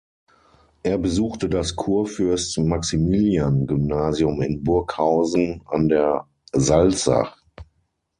Er besuchte das Kurfürst-Maximilian-Gymnasium in Burghausen an der Salzach.